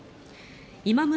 今村